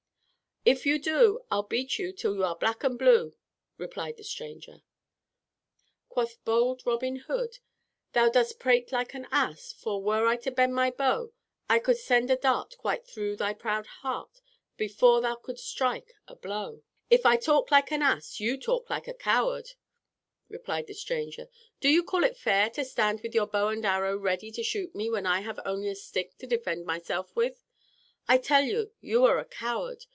"If you do, I'll beat you till you are black and blue," replied the stranger. "Quoth bold Robin Hood, 'Thou dost prate like an ass, For, were I to bend my bow, I could send a dart quite through thy proud heart, Before thou couldst strike a blow.'" "If I talk like an ass you talk like a coward," replied the stranger. "Do you call it fair to stand with your bow and arrow ready to shoot at me when I have only a stick to defend myself with? I tell you, you are a coward.